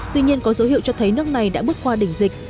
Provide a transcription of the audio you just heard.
tuy nhiên có dấu hiệu cho thấy nước này đã bước qua đỉnh dịch